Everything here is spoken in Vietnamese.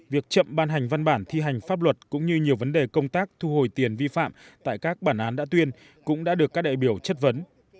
việc chậm ban hành văn bản thi hành pháp luật cũng như nhiều vấn đề công tác thu hồi tiền vi phạm tại các bản án đã tuyên cũng đã được các đại biểu chất vấn